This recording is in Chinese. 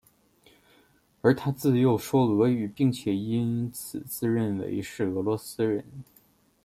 而他自幼说俄语并且因此自认为是俄罗斯人。